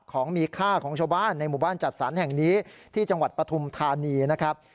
ของมีค่าของชาวบ้านในหมู่บ้านจัดสรรแห่งนี้ที่จังหวัดปฐุมธานีนะครับ